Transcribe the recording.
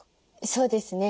そうですね。